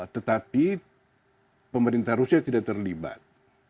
tetapi pemerintah rusia tidak terlibat